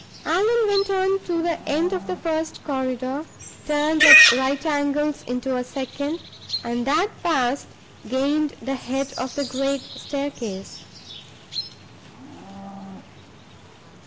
Allan went on to the end of the first corridor, turned at right angles into a second, and, that passed, gained the head of the great staircase.